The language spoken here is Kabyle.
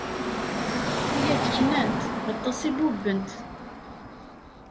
Tuyat, knant. Aṭas i bubbent.